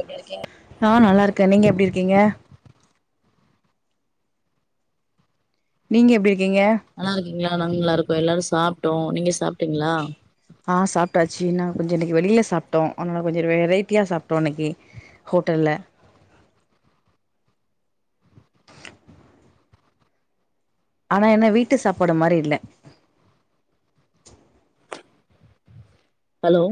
எப்படி இருக்கிங்க நா நல்லாயிருக்கேன் நீங்க எப்டி இருக்கீங்க நீங்க எப்டி இருக்கீங்க ஆ இங்கவ நாங்க நல்லா இருக்கும் எல்லாரும் சாப்பிட்டோம் நீங்க சாப்ட்டீங்களா ஆஹ் சாப்ட்டாச்சு நா கொஞ்ச இனைக்கு வெளியில சாப்ட்டோம் அதனால கொஞ்சம் வெரைட்டியா சாப்ட்டோம் இன்னைக்கு ஹோட்டல்ல ஆனா என்ன வீட்டு சாப்பாடு மாரி இல்ல ஹலோ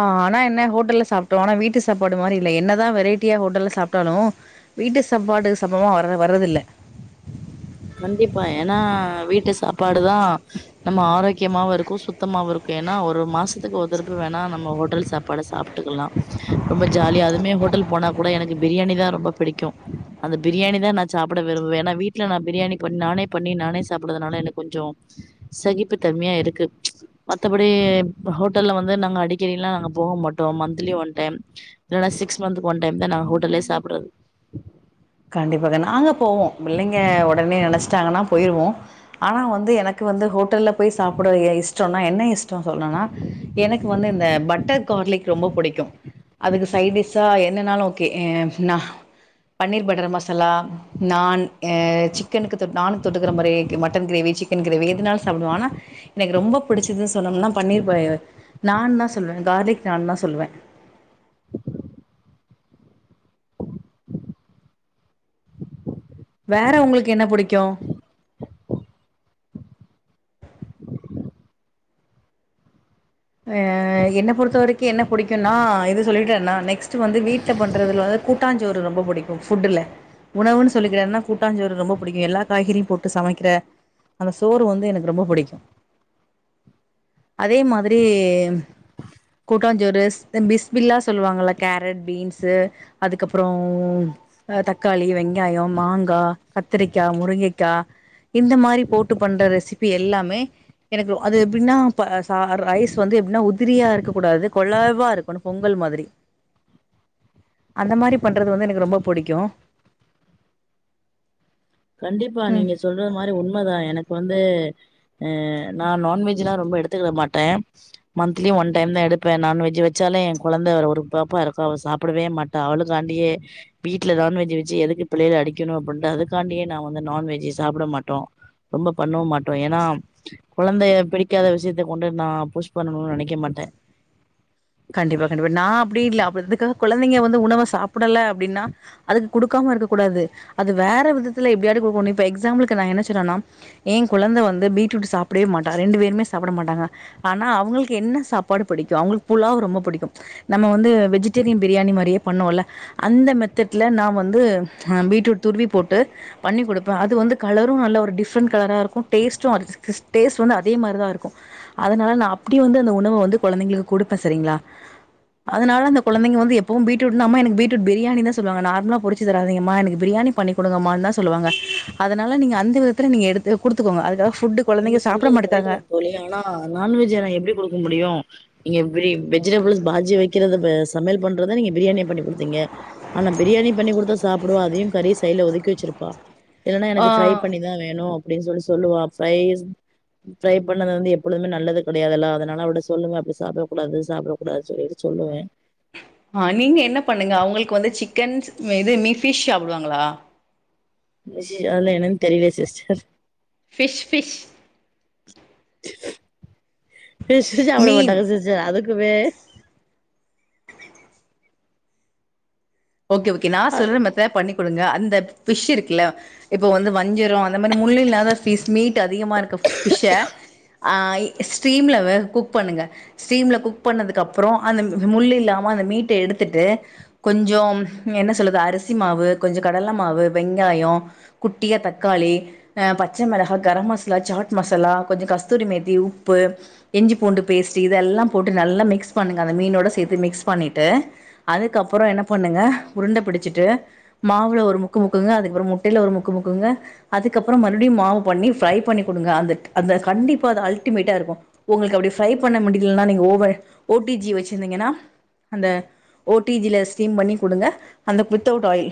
ஆஹ் ஆன என்ன ஹோட்டல்ல சாப்பிட்டோம் ஆனா வீட்டு சப்பாடு மாரி இல்ல என்னதான் வெரைட்டியா ஹோட்டல்ல சாப்பிட்டாலும் வீட்டு சாம்பாட்டு சபமா வர வரறதில்ல கண்டிப்பா ஏனா வீட்டு சாப்பாடுதான் நம்ம ஆரோக்கியமாகவும் இருக்கும் சுத்தமாகவும் இருக்கும் ஏனா ஒரு மாசத்துக்கு ஒதரப்பு வேணா நம்ம ஹோட்டல் சாப்பாடு சாப் ட்க்கலா ரொம்ப ஜாலிய அதுமே ஹோட்டல் போனா கூட எனக்கு பிரியாணி தான் ரொம்ப பிடிக்கும் அந்த பிரியாணி தான் நான் சாப்பிட விரும்பேன் ஏனா வீட்ல நான் பிரியாணி பண்ணி நானே பண்ணி நானே சாப்படுதுனால எனக்கு கொஞ்ச சகிப்பு தன்மையா இருக்கு மத்தபடி ஹோட்டல்ல வந்து நாங்க அடிக்கடில்லா நாங்க போக மாட்டோ மந்த்லி ஒன் டைம் இல்லனா சிக்ஸ் மந்த் ஒன்டைம் தான் நா ஹோட்டலே சாப்டறது கண்டிப்பா கண்டி நாங்க போவோம் பிள்ளைங்க ஒடனே நெனச்சிட்டாங்கன்னா போயிருவோ ஆனா வந்து எனக்கு வந்து ஹோட்டல்ல போய் சாப்ட ஏன் இஷ்டம்னா என்ன இஷ் டோ சொல்லுனுனா எனக்கு வந்து இந்த பட் டர்கார்லிக் ரொம்ப பிடிக்கும் அதுக்கு சைட் டிஷ்ஷா என்னனாலு ஓகே பன்னீர் பட் மசாலா நான் சிக்கனுக்கு நானு தொட்டுக்கிற மாரி ஏக் மட்டன் கிரேவி சிக் கிற எதான சாப்படுவா ஆனா எனக்கு ரொம்ப பிடிச்சதுன்னு சொலனும்னா பன்னீர் நான் தான் சொல்லுவேன் கார்லிக் நான் தான் சொல்லுவேன் வேற உங்களுக்கு என்ன புடிக்கு என்ன பொறுத்த வரைக்கும் என்ன பிடிக்கும்னா இது சொல்லிட்டேனா நெக்ஸ்ட் வந்து வீட்ல பண்றதுல வந்து கூட்டாஞ்சோறு ரொம்ப பிடிக்கும் ஃபுட்டுல உணவுன்னு சொல்லிக்கிறேன்னா கூட்டாஞ்சோரு ரொம்ப பிடிக்கும் எல்லா காய்கறியும் போட்டு சமைக்கிற அந்த சோறு வந்து ரொம்ப புடிக்கும் அதே மாதி ரி கூட்டாஞ்சோறு பிஸ்பில்லா சொல்லுவாங்கள கேரட் பீன்ஸு அதுக்கப்றோ தக்காளி வெங்காயம் மாங்கா கத்திரிக்கா முருங்கைக்கா இந்த மாதிரி போட்டு பண்ற ரெசிபி எல்லாமே எனக்கு அது எப்டின்னா ச ரைஸ் வந்து எப்டின்னா உதிரியா இருக்க கூடாது கொழவா இருக்கணு பொங்கல் மாதிரி அந்த மாதிரி பண்றது வந்து எனக்கு ரொம்ப புடிக்கும் கண்டிப்பா நீங்க சொல்றது மாரி உண்மதான் எனக்கு வந்து அ நான் நான்வெஜ்ல்லாம் ரொம்ப எடுத்துக்கிட மாட்டேன் மந்த்லி ஒன் டைம் தான் எடுப்பேன் நான்வெஜ் வச்சாலும் என் குழந்தை ஒரு பாப்பா இருக்கும் அவ சாப்பிடவே மாட் ட்ட அவளுக்காண்டியே வீட்டுல நான்வெஜ் வச்சு எதுக்கு பிள்ளைகள அடிக்கணு அப்படிண்டு அதுக்கு அவளுக்காண்டியே நான் வந்து நான்வெஜ்ஜ் சாப்பிட மாட்டோம் ரொம்ப பண்ணவு மாட்டோம் ஏன்னா குழந்தைய பிடிக்காத விஷயத்த கொண்டு நான் புஷ் பண்ணணும்னு நினைக்க மாட்டேன் கண்டிப்பா கண்டிப்பா நான் அப்டி இல்லை அப்ப அதுக்காக குழந்தைங்க வந்து உணவ சாப்பிடலை அப்டின்னா அதுக்கு கொடுக்காம இருக்கக்க கூடாது அது வேற விதத்துல எப்டியாடி கொடுக்கணும் இப்ப எக்ஸாம்பிளுக்கு நான் என்ன சொல்றேன்னா ஏ குழந்த வந்த பீட்ரூட் சாப்பிடவே மாட்டான் ரெண்டு பேருமே சாப்பிட மாட்டாங்க ஆனா அவங்களுக்கு என்ன சாப்பாடு பிடிக்கும் அவங்களுக்கு ஃபுலாவ் ரொம்ப பிடிக்கும் நம்ம வந்து வெஜிடேரியன் பிரியாணி மாரியே பண்ணோல அந்த மெத்தட்ல நான் வந்து பீட்ரூட் துருவி போட்டு பண்ணி கொடுப்பேன் அது வந்து கலரும் நல்ல ஒரு டிஃப்ரெண்ட் கலரா இருக்கும் டேஸ்ட்டும் அது டேஸ்ட் வந்து அதே மாதிரிதான் இருக்கும் அதனால நான் அப்டி வந்து அந்த உணவை வந்து குழந்தைங்களுக்கு கொடுப்பேன் செரிங்களா அதனால அந்த குந்தைங்க வந்து எப்பவும் பீ்ட்ரூட் எனக்கு பீட்ரூட் பிரியாணி தான் சொல்லுவங்க நார்மலா பொரிச்சு தராதீங்கமா எனக்கு பிரியாணி பண்ணி கொடுங்கம்மா தான் சொல்லுவங்க அதனால நீங்க அந்த விதத்தில் நீங்க எடுத்து கொடுத்துக்கோங்க அதுக்காக ஃபுட்டு நீங்க குழந்தைங்க சாப்ட சொல்றது கரெக்ட் மாட்டுக்காங்க. தான் தோழி ஆனா நான்வெஜ்ஜ நான் எப்டி கொடுக்க முடியு நீங்க இப்டி வெஜிடபிள்ஸ் பாஜி வைக்கிறத சமையல் பண்றது நீங்க பிரியாணியா பண்ணி கொடுத்தீங்க ஆனா பிரியாணி பண்ணி கொடுத்தா சாப்புடுவா அதையு கறி சைடுல ஒதுக்கி வச்சிருப்பா இல்லைன்னா ஆ எனக்கு ஃப்ரை பண்ணிதான் வேணும் அப்டின்னு சொல்லி சொல்லுவா ரைஸ் ப்ரை பண்ணது வந்து எப்பொழுதுமே நல்லது கிடையாதுல்ல அதனால அவகிட்ட சொல்லுங்க அப்டி சாப்பிடக் கூடாது சாப்பிட கூடாது சொல்லிட்டு சொல்லுவேன் ஆ நீங்க என்ன பண்ணுங்க அவங்களுக்கு வந்து சிக்கன் இது மீ ஃபிஷ் சாப்பிடுவாங்களா ஃபிஷ் ஆனா என்னன்னு தெரியல சிஸ்டர் ஃபிஷ் ஃபிஷ் ஃபிஷ் சாப்பட மீன் மாட்டாங்க சிஸ்டர் அதுக்குமே ஓகே ஓகே நான் அ- சொல்கிற மெத்தெட்ல பண்ணி கொடுங்க அந்த ஃபிஷ் இருக்குல இப்ப வந்து வஞ்சரோ அந்த மாதிரி முள்ளில்லாத ஃபிஷ் மீட் அதிகமா இருக்குற ஃபிஷ்ஷ ஆ இ ஸ்ட்ரீம்லவ குக் பண்ணுங்க ஸ்டீம்ல குக் பண்ணதுக்கு அப்புறோ அந்த முள்ளு இல்லாம அந்த மீட்ட எடுத்துட்டு கொஞ்சோ என்ன சொல்லுது அரிசி மாவு கொஞ்சோ கடலை மாவு வெங்காயம் குட்டியா தக்காளி ஆ பச்ச மிளகாய் கரம் மசாலா சாட் மசாலா கொஞ்சோ கஸ்தூரி மேத்தி உப்பு இஞ்சி பூண்டு பேஸ்ட் இதெல்லா போட்டு நல்லா மிக்ஸ் பண்ணுங்க அந்த மீனோட சேத்து மிக்ஸ் பண்ணிட்டு அதுக்கப்புறோ என்ன பண்ணுங்க உருண்ட பிடிச்சிட்டு மாவுல ஒரு முக்கு முக்குங்க அதுக்கப்புறோ முட்டையில ஒரு முக்கு முக்குங்க அதுக்கப்புறோ மறுபடியு மாவு பண்ணி ஃப்ரை பண்ணி கொடுங்க அந்த அந்த கண்டிப்பா அது அல்டிமேட்டா இருக்கும் உங்களுக்கு அப்டி ஃரை பண்ண முடியலனா நீங்க ஓவ ஓ டி ஜி வச்சிருந்தீங்கன்னா அந்த ஓ டி ஜில ஸ்டீம் பண்ணி கொடுங்க அந்த வித் அவுட் ஆயில்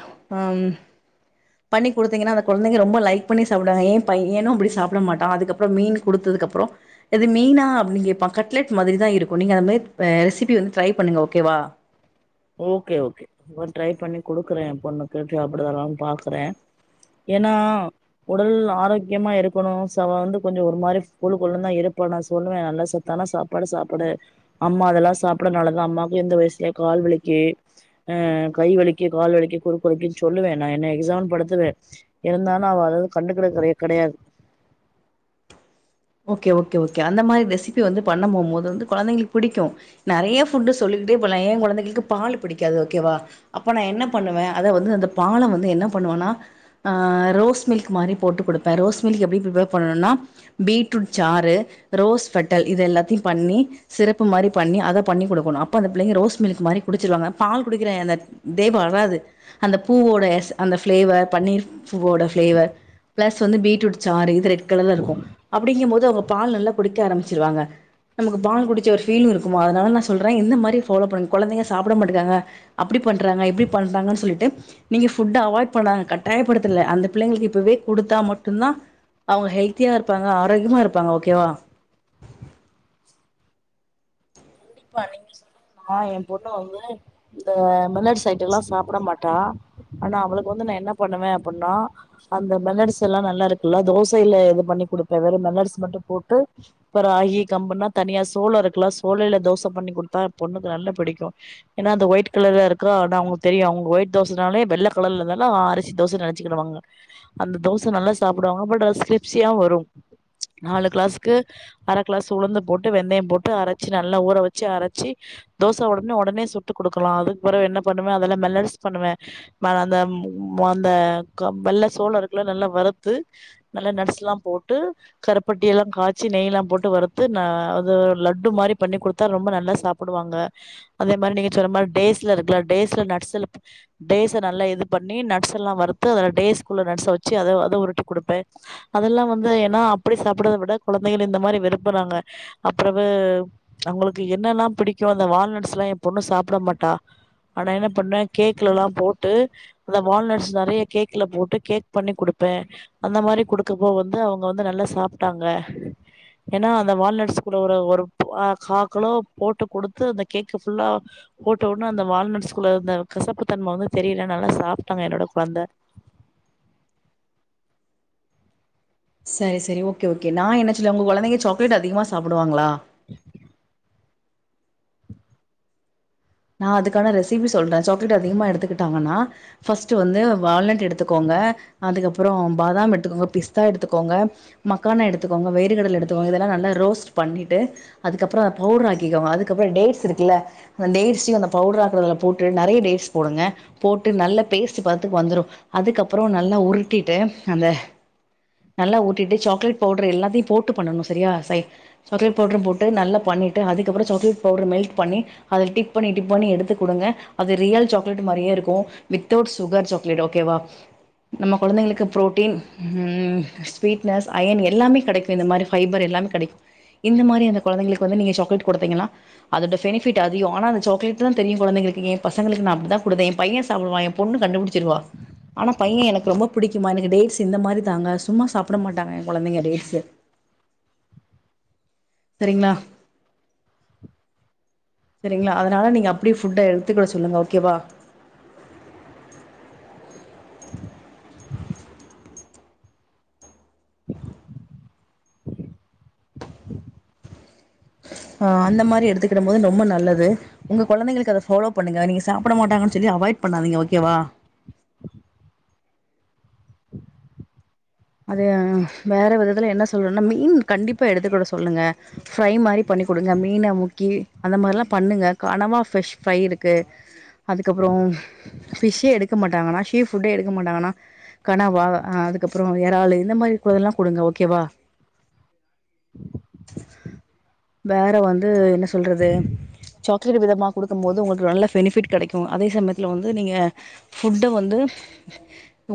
ம் பண்ணி கொடுத்தங்கன்னா அந்த குழந்தைக ரொம்ப லைக் பண்ணி சாப்டுவங்க ஏ பையனு அப்டி சாப்பிட மாட்டான் அதுக்கப்புறோ மீன் குடுத்ததுக்கு அப்புறோ இது மீனா அப்டின்னு கேட்பான் கட்லட் மாரிதா இருக்கும் நீங்கள் அந்த மாதிரி ரெசிபி வந்து ட்ரை பண்ணங்க ஓகேவா ஓகே ஓகே ட்ரை பண்ணி குடுக்குறேன் ஏ பொண்ணுக்கு சாப்பிடுவாளனு பாக்குறேன் ஏன்னா உடல் ஆரோக்கியமா இருக்கணும் சோ அவ வந்து கொஞ்சோ ஒரு மாதிரி கொழுகொழுனுதா இருப்ப நா சொல்லுவேன் நல்ல ச த்தான சாப்பாடு சாப்பாடு அம்மா அதெல்லா சாப்டாதனாலதா அம்மாக்கும் இந்த வயசுலயே கால் வலி க்கி கை வலிக்கு கால் வலிக்கு குறுக்க வலக்குன்னு சொல்லுவேன் நான் என்ன எக்ஸாம்பிள்ளா எடுத்துக்வே இருந்தாலும் அவ அவ்ளோக்கு கண்டுகிறது கிட கிடையாது ஓகே ஓகே ஓகே அந்த மாதிரி ரெசிபி வந்து பண்ண போகும்போது வந்து குழந்தைங்களுக்கு பிடிக்கும் நறைய ஃபுட்டு் சொல்லிக்கிட்டே போலா ஏ கொழந்தைளுக்கு பால் பிடிக்காது ஓகேவா அப்ப நா என்ன பண்ணுவே அத வந்து அந்த பால வந்து என்ன பண்ணுவேன்னா அ ரோஸ் மில்க் மாரி போட்டுக் குடுப்பே ரோஸ் மில்க் எப்டி பிரிப்பேர் பண்ணணும்னா பீட்ரூட் சாரு ரோஸ்ஃபெட்டல் இது எல்லாத்தையு பண்ணி சிரப்பு மாரி பண்ணி அத பண்ணி குடுக்கனும் அப்ப அந்த பிள்ளைங்க ரோஸ் மில்க் மாரி குடிச்சிடுவாங்க பால் குடிக்கிற அந்த இதே வராது அந்த பூவோட அந்த பிளேவர் பன்னீர் பூவோட பிளேவர் பிளஸ் வந்து பீட்ரூட் சார் இது ரெட் கலர்ல இருக்கு அப்டிங்க போது அவங்க பால் நல்லா குடிக்க ஆரம்பிச்சிருவாங்க நமக்கு பால் குடிச்ச ஒரு ஃபீலி்ங் இருக்குமா அதனால நா சொல்றே இந்த மாரி ஃபாலோ பண்ணுங்க கொழந்தங்க சாப்ட மாட்டுகிறாங்க அப்டி பண்றாங்க இப்டி பண்றாங்கன்னு சொல்லிட்டு நீங்க ஃபுட்ட அவாய்ட் பண்ணாங்க கட்டாயப்படுத்தல அந்த பிள்ளைங்களுக்கு இப்பவே குடுத்தா மட்டுதா அவங்க ஹெல்த்தியா இருப்பாங்க ஆரோக்கியமா இருப்பாங்க ஓகேவா கண்டிப்பா நீங்க சொல்லாம் அ எ பொண்ணு வந்து இந்த மில்லட் சைட்டு எல்லா சாப்ட மாட்டா ஆனா அவளுக்கு வந்து நா என்ன பண்ணுவே அப்டின்னா அந்த மெல்லட்ஸ் எல்லா நல்லா இருக்குல்ல தோசையில இது பண்ணி குடுப்பே வேற மெல்லட்ஸ் மட்டு போட்டு அப்ப ராகி கம்புன்னா தனியா சோள இருக்குலா சோளையில தோசை பண்ணி குடுத்தா எ பொண்ணுக்கு நல்லா பிடிக்கும் ஏன்னா அந்த ஒயிட் கலர்ல இருக்கு ஆனா அவங்க தெரியு அவங்க ஒயிட் தோசைனாலே வெள்ள கலர்ல இருந்தாலா அரிசி தோசைன்னு நைச்ச [unintelligible] அந்த தோசை நல்லா சாப்டுவாங்க பட் கிரிஸ்பியா வரு நாலு கிளாஸ்க்கு அர கிளாஸ் உளுந்து போட்டு வெந்தயம் போட்டு அரைச்சு நல்லா ஊற வச்சு வச்சு அரைச்சி தோச உடனே உடனே சுட்டு குடுக்கலா அதுக்குப்பறம் என்ன பண்ணுவே அதெல்ல மெல்லட்ஸ் பண்ணுவே அந்த அந்த வெள்ள சோள இருக்குல நல்லா வறுத்து நல்லா நட்ஸ் எல்லா போட்டு கருப்பட்டி எல்லா காய்சி நெய் எல்லா போட்டு வறுத்து நா அது லட்டு மாரி பண்ணி குடுத்து ரொம்ப நல்லா சாப்டுவாங்க அதே மாரி நீங்க சொல்ற மாரி டேஸ்ல இருக்குல டேஸ்ல நட்ஸ்ல டேஸ்ஸ நல்லா இது பண்ணி நட்ஸ் எல்லா வறுத்து அதுல டேஸ்குள்ள நட்ஸ வச்சு அத அத உருட்டி குடுப்பே அதெல்லா வந்து ஏன்னா அப்டி சாப்டுறதை விட குழந்தைகள் இந்த மாரி விரும்புறாங்க அப்பறவு அவங்களுக்கு என்னெல்லா பிடிக்கு அந்த வால்நட்ஸ் எல்லா எ பொண்ணு சாப்ட மாட்டா ஆனா என்ன பண்ணுவே கேக்லல்லா போட்டு அந்த வால்நட்ஸ் நெறைய கேக்ல போட்டு கேக் பண்ணி குடுப்பே அந்த மாரி குடுக்கப்போ வந்து அவங்க வந்து நல்லா சாப்ட்டாங்க ஏன்னா அந்த வால்நட்ஸ் கூட ஒரு ஒரு அ காக்கிலோ போட்டு குடுத்து அந்த கேக்கு ஃபுல்லா போட்ட ஒடன அந்த வால்நட் ஸ்கூல இருந்த கசப்புத்தன்மை வந்து தெரில நல்லா சாப்டாங்க என்னோட கொழந்தை சரி சரி ஓகே ஓகே நா என்ன சொல்லு உங்க கொழந்தைங்க சாக்லேட் அதிகமாக சாப்டுவாங்களா நா அதுக்கான ரெசிபி சொல்றே சாக்லேட் அதிகமா எடுத்துக்கிட்டாங்கன்னா ஃபஸ்ட் வந்து வால்நட் எடுத்துக்கோங்க அதுக்கப்பறோ பாதாம் எடுத்துக்கோங்க பிஸ்தா எடுத்துக்கோங்க மக்கானா எடுத்துக்கோங்க வேரு கடல எடுத்துக்கோங்க இதெல்லா நல்லா ரோஸ்ட் பண்ணிட்டு அதுக்கப்பறோ பவுடர் ஆக்கிக்கோங்க அதுக்கப்பறோ டேட்ஸ் இருக்குல்ல அந்த டேட்ஸ் அந்த பவுடர் ஆக்குறதல போட்டு நறைய டேட்ஸ் போடுங்க போட்டு நல்ல பேஸ்ட் பதத்துக்கு வந்துடு அதுக்கப்பறோ நல்லா உருட்டிட்டு அத நல்லா ஊட்டிட்டு சாக்லேட் பவுடர் எல்லாத்தையு போட்டு பண்ணனு சரியா சை சாக்லேட் பவுட்ரும் போட்டு நல்லா பண்ணிட்டு அதுக்கப்பறோ சாக்லேட் பவுடர் மெல்ட் பண்ணி அதுல டிக் டிப் பண்ணி டிப் பண்ணி எடுத்து குடுங்க அது ரியல் சாக்லேட் மாரியே இருக்கு வித்தவுட் சுகர் சாக்லேட் ஓகேவா நம்ம கொழந்தைங்களுக்கு ப்ரோட்டீன் ம் ஸ்வீட்னஸ் அயன் எல்லாமே கெடைக்கும் இந்த மாரி ஃபைபர் எல்லாமே கெடைக்கு இந்த மாரி அந்த கொழந்தைளுக்கு வந்து நீங்க சாக்லேட் குடுத்தீங்கன்னா அதோட பெனிபிட் அதிகோ ஆன சாக்லேட தா தெரியு கொழந்தைங்களுக்கு ஏ பசங்களுக்கு நா அப்டிதா குடுத்தே ஏ பைய சாப்புடுவா எ பொண்ணு கண்டுபிடிச்சிருவா ஆனா பைய எனக்கு ரொம்ப பிடிக்குமா எனக்கு டேட்ஸ் இந்த மாரி தாங்க சும்மா சாப்பட மாட்டாங்க எ கொழந்தைங்க டேட்ஸ்சு சரிங்களா சரிங்களா அதுனால நீங்க அப்டி ஃபுட்ட எடுத்துக்கிட சொல்லுங்க ஓகேவா ஆ அந்த மாரி எடுத்துக்கிடம் போது ரொம்ப நல்லது உங்க குழந்தைளுக்கு அத ஃபாலோ பண்ணுங்க நீங்க சாப்பட மாட்டாங்கன்னு சொல்லி அவாய்ட் பண்ணாதீங்க ஓகேவா அது வேற விதத்துல என்ன சொல்றேன்னா மீன் கண்டிப்பா எடுத்துக்கிட சொல்லுங்க ஃப்ரை மாரி பண்ணி் குடுங்க மீன முக்கி அந்த மாரிலா பண்ணுங்க கனவா ஃபிஷ் ஃப்ரை இருக்கு அதுக்கப்பறோம் ஃபிஷ்ஷே எடுக்க மாட்டாங்கன்னா ஷீ ஃபுட்டே எடுக்க மாட்டாங்கன்னா கனவா ஆ அதுக்கப் அப்பறோ எறாளு இந்த மாரி கூடல்லா குடுங்க ஓகேவா வேற வந்து என்ன சொல்றது சாக்லேட் விதமா குடுக்கும் போது உங்களுக்கு நல்ல பெனிபிட் கெடைக்கு அதே சமயத்துல வந்து நீங்க ஃபுட்ட வந்து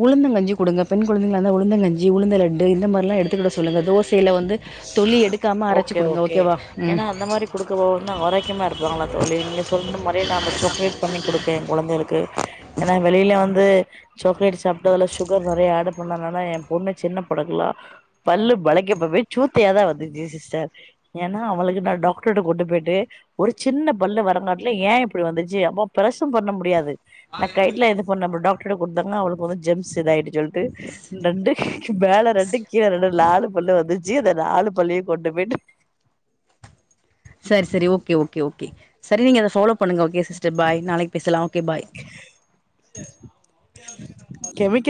உளுந்தங்கஞ்சி குடுங்க பெண் கொழந்தைங்க ந்த உளுந்தங்கஞ்சி உளுந்தலட்டு இந்த மாரில்லா எடுத்துக்கிட சொல்லுங்க தோசையில வந்து தொலி எடுக் காம அரச்சி ஓகே குடுங்க ஓகே ஓகேவா ம் ஏன்னா அந்த மாரி குடுக்க போது நா ஆரோக்கியமா இருப்பாங்களா தோழி நீங்க சொன்ன மாரி நா அந்த சாக்லட் பண்ணி குடுக்கே எ கொழந்தைகளுக்கு ஏன்னா வெளியில வந்து சாக்லேட் சாப்பிட்டுதுல சுகர் நெறைய ஆடு் பண்ணானா எ பொண்ணு சின்ன படக்கலா பல்லு பளகக்கு ப சூத்தயாத வந்துச்சு ஸ்டர் ஏன்னா அவளுக்கு நா டாக்டர்ட்ட கொண்டு போய்ட்டு ஒரு சின்ன பல்லு வரங்காட்டுல ஏ இப்படி வந்துச்சு அப்ப பெருசும் பண்ண முடியாது நா கைல எத இப்ப நம்ம டாக்டரட குடுத்தாங்க அவங்களுக்கு வந்து ஜெம்ஸ் இதாய்ட்டு சொல்ட்டு ரெண்டு மேல ரெண்டு கீழ ரெண்டு நாலு பல்லு வந்துச்சு அந்த நாலு பல்லையு கொண்டு போயிட்டு சரி சரி ஓகே ஓகே ஓகே சரி நீங்க அத ஃபாலோ பண்ணுங்க ஓகே சிஸ்டர் பாய் நாளைக்கு பேசலா ஓகே பாய் கவிக்கு